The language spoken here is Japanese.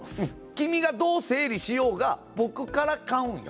君がどう整理しようが僕から買うんよ。